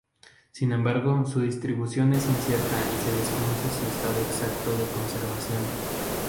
Sin embargo su distribución es incierta y se desconoce su estado exacto de conservación.